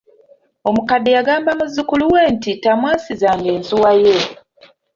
Omukadde yagamba muzzukulu we nti tamwasizanga ensuwa ye.